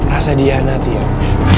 rasa diana tiang